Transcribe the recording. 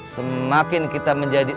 semakin kita menjadi